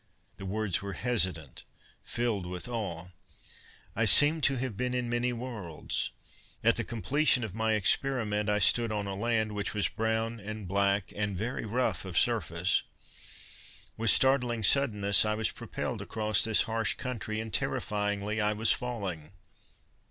The words were hesitant, filled with awe. "I seem to have been in many worlds. At the completion of my experiment, I stood on a land which was brown and black and very rough of surface. With startling suddenness, I was propelled across this harsh country, and, terrifyingly, I was falling.